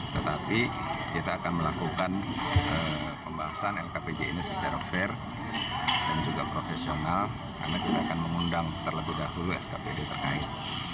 tetapi kita akan melakukan pembahasan lkpj ini secara fair dan juga profesional karena kita akan mengundang terlebih dahulu skpd terkait